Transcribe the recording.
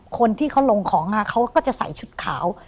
คนที่เขาลงของเขาก็จะใส่ชุดขาว